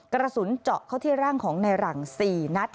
กระสุนเจาะเข้าที่ร่างของในหลัง๔นัด